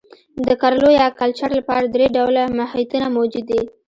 د کرلو یا کلچر لپاره درې ډوله محیطونه موجود دي.